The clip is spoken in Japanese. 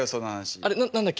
あれ何だっけ？